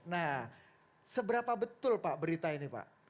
nah seberapa betul pak berita ini pak